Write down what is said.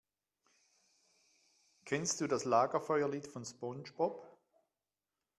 Kennst du das Lagerfeuerlied von SpongeBob?